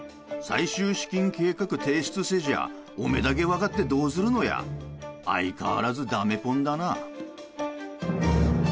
最終資金計画提出せじゃおめだげわがってどうするのや相変わらずダメポンだな。